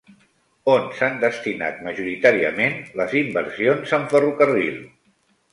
On s'han destinat majoritàriament les inversions en ferrocarril?